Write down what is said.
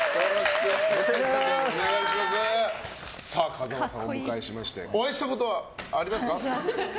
風間さんをお迎えしましてお会いしたことはありますか？